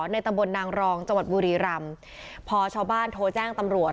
ในตำบลนางรองจังหวัดบุรีรำพอชาวบ้านโทรแจ้งตำรวจ